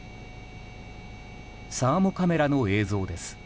サーモカメラの映像です。